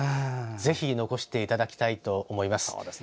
ぜひ残していただきたいと思います。